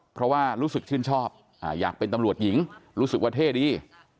เพราะว่ารู้สึกชื่นชอบอยากเป็นตำรวจหญิงรู้สึกว่าเท่ดี